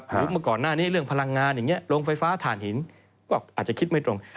เมื่อก่อนหน้านี้เรื่องพลังงานอย่างนี้โรงไฟฟ้าฐานหินก็อาจจะคิดไม่ตรง